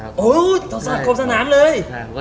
โอ้ยสักขอบสนามเลย